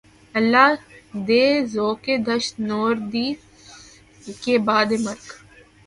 اللہ رے ذوقِ دشت نوردی! کہ بعدِ مرگ